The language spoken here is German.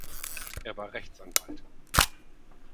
Er war Rechtsanwalt.